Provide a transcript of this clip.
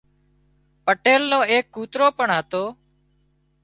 پٽيل نو ايڪ ڪوترو پڻ هتو